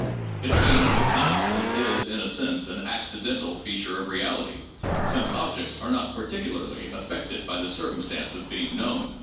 It seems that consciousness is, in a sense, an accidental feature of reality, since objects are not particularly affected by the circumstance of being known.